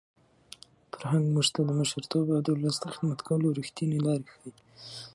فرهنګ موږ ته د مشرتوب او د ولس د خدمت کولو رښتینې لارې ښيي.